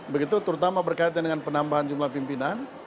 begitu terutama berkaitan dengan penambahan jumlah pimpinan